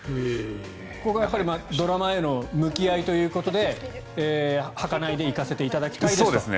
ここはやっぱりドラマへの向き合いということではかないで行かせていただきたいですと。